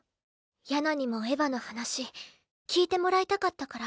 ヤナにもエヴァの話聞いてもらいたかったから。